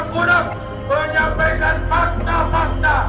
menyampaikan mudah mudah menyampaikan fakta fakta